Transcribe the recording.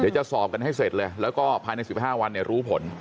เดี๋ยวจะสอบกันให้เสร็จเลยแล้วก็ภายในสิบห้าวันรู้ผล